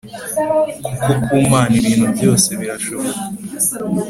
kuko ku Mana ibintu byose birashoboka